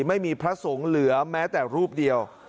ไม่มีพระสงฆ์เหลือแม้แต่รูปเดียว